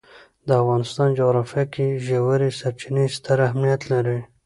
د افغانستان جغرافیه کې ژورې سرچینې ستر اهمیت لري.